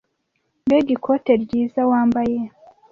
Mbega ikote ryiza wambaye!